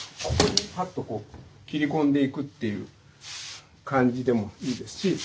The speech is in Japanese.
ここにパッとこう切り込んでいくという感じでもいいですし